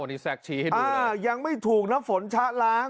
โอดีแซกชี้ให้ดูเลยอ่ายังไม่ถูกนะฝนชะล้าง